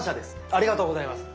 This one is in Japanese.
ありがとうございます。